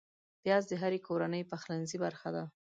پیاز د هرې کورنۍ پخلنځي برخه ده